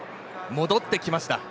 戻ってきました。